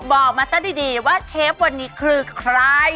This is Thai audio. บอกมาซะดีว่าเชฟวันนี้คือใคร